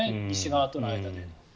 西側との間で。